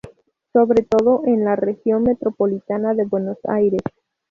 Sobre todo en la Región Metropolitana de Buenos Aires.